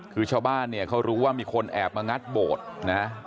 คือชาวบ้านเขารู้ว่ามีคนแอบมางัดโบสถ์นะครับ